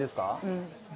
うん。